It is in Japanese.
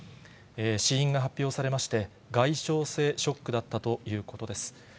死因が発表されまして、外傷性ショックだったということです。